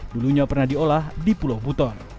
dulunya pernah diolah di pulau buton